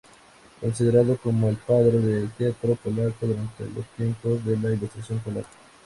Considerado como el "Padre del teatro polaco" durante los tiempos de la Ilustración Polaca.